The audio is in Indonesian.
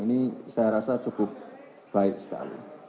ini saya rasa cukup baik sekali